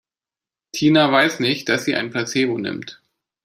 Tina weiß nicht, dass sie ein Placebo nimmt.